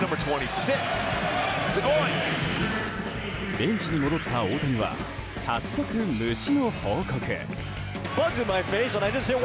ベンチに戻った大谷は早速、虫の報告。